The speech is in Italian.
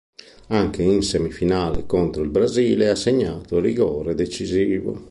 Anche in semifinale contro il Brasile ha segnato il rigore decisivo.